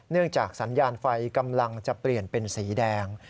จากสัญญาณไฟกำลังจะเปลี่ยนเป็นสีแดง